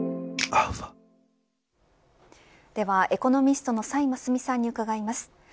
ではエコノミストの崔真淑さんに伺います。